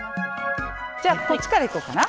じゃあこっちから行こうかな。